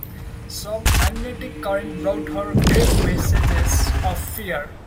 Some magnetic current brought her grave messages of fear.